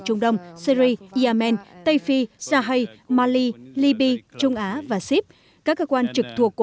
trung đông syri yemen tây phi sahai mali libya trung á và sip các cơ quan trực thuộc